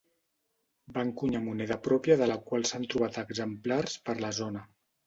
Va encunyar moneda pròpia de la qual s'han trobat exemplars per la zona.